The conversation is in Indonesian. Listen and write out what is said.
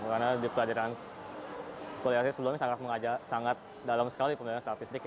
karena di pelajaran kuliah saya sebelumnya sangat dalam sekali pembelajaran statistik ya